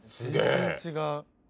全然違う。